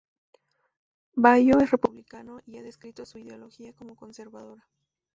Baio es republicano y ha descrito su ideología como conservadora.